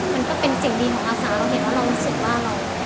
มันก็เป็นสิ่งดีของอาสาเราเห็นว่าเรารู้สึกว่าเรา